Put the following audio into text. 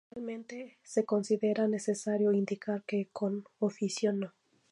Finalmente, se considera necesario indicar que con oficio No.